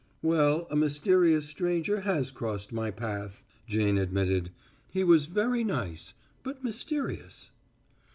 "Well, a Mysterious Stranger has crossed my path," Jane admitted. "He was very nice, but mysterious."